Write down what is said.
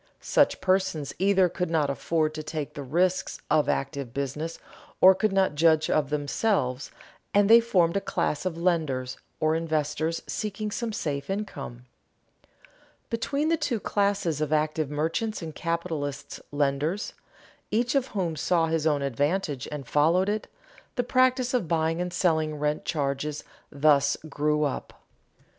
Such persons either could not afford to take the risks of active business, or could not judge of them, and they formed a class of lenders or investors seeking some safe income. Between the two classes of active merchants and capitalist lenders, each of whom saw his own advantage and followed it, the practice of buying and selling rent charges thus grew up.